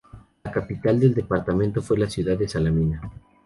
La capital del departamento fue la ciudad de Salamina.